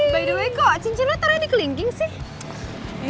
by the way kok cincin lo taruh di kelingging sih